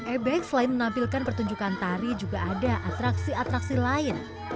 ebek selain menampilkan pertunjukan tari juga ada atraksi atraksi lain